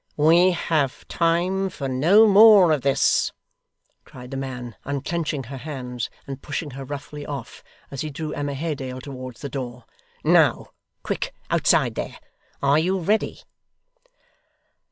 'We have time for no more of this,' cried the man, unclenching her hands, and pushing her roughly off, as he drew Emma Haredale towards the door: 'Now! Quick, outside there! are you ready?